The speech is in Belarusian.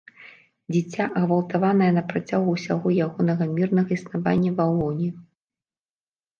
Дзіця, ґвалтаванае напрацягу ўсяго ягоннага мірнага існавання ва ўлонні.